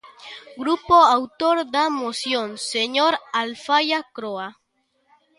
Grupo autor da moción, señor Alfaia Croa.